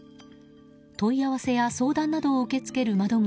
問い合わせや相談などを受け付ける窓口